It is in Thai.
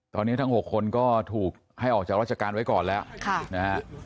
ตอนนี้ทั้ง๖คนก็ถูกให้ออกจากราชการไว้ก่อนแล้วนะฮะ